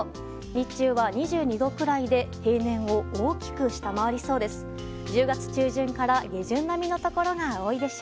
日中は２２度くらいで平年を大きく下回りそうです。